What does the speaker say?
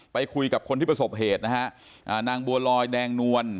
ไปคุยกับคนที่ประสบเหตุนะฮะอ่านางบัวลอยแดงนวล